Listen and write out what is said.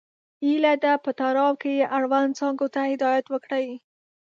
هیله ده په تړاو یې اړوند څانګو ته هدایت وکړئ.